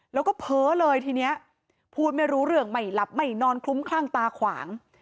แล้วก็เพ้อเลยทีนี้พูดไม่รู้เรื่องไม่หลับไม่นอนคลุ้มคลั่งตาขวาง